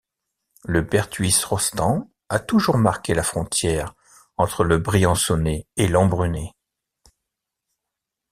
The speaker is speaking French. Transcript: Le Pertuis Rostan a toujours marqué la frontière entre le Briançonnais et l’Embrunais.